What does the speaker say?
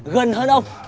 gần hơn ông